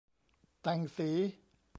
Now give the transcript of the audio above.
แต่งสี